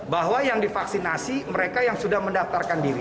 bahwa yang divaksinasi mereka yang sudah mendaftarkan diri